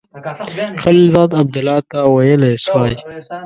خلیلزاد عبدالله ته ویلای سوای.